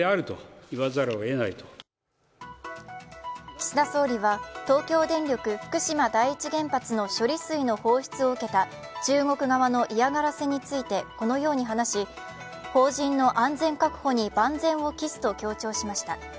岸田総理は、東京電力・福島第一原発の処理水の放出を受けた中国側の嫌がらせについてこのように話し邦人の安全確保に万全を期すと強調しました。